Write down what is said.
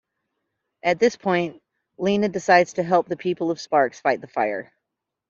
At this point, Lina decides to help the people of Sparks fight the fire.